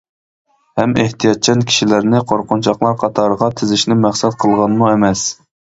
ھەم ئېھتىياتچان كىشىلەرنى قورقۇنچاقلار قاتارىغا تىزىشنى مەقسەت قىلغانمۇ ئەمەس.